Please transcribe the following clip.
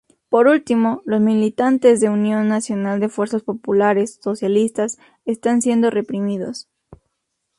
Por último, los militantes del Unión Nacional de Fuerzas Populares, socialista, están siendo reprimidos.